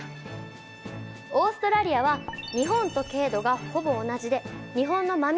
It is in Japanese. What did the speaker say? オーストラリアは日本と経度がほぼ同じで日本の真南。